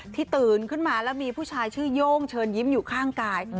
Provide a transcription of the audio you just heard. ตื่นขึ้นมาแล้วมีผู้ชายชื่อโย่งเชิญยิ้มอยู่ข้างกาย